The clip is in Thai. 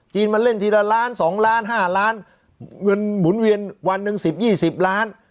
จีนมันเล่นทีละล้านสองล้านห้าร้านเงินหมุนเวียนวันหนึ่งสิบยี่สิบล้าน